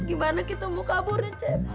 gimana kita mau kabur cep